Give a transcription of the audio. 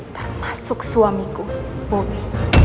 termasuk suamiku bobby